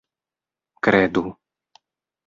kredu